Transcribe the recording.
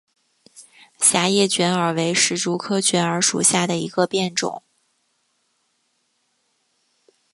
狭叶卷耳为石竹科卷耳属下的一个变种。